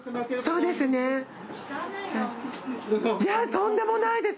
とんでもないです。